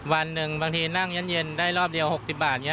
วันนึงบางทีนั่งเย็นแยนได้รอบเดียวหกสิบบาทอย่างนี้